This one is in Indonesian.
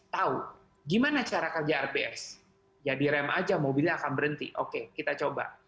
tahu gimana cara kerja rbs ya direm aja mobilnya akan berhenti oke kita coba